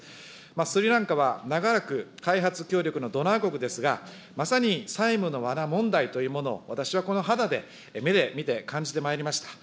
スリランカは長らく、開発協力のドナー国ですが、まさに債務のわな問題というものを、私はこの肌で、目で見て感じてまいりました。